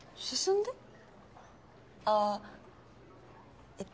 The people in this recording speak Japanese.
あぁえっと。